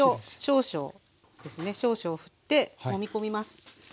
少々ふってもみ込みます。